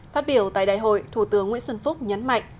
phát biểu tại đại hội thủ tướng nguyễn xuân phúc nhấn mạnh